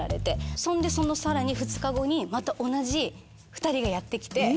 そんでそのさらに２日後にまた同じ２人がやって来て。